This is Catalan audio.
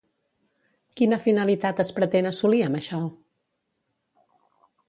Quina finalitat es pretén assolir amb això?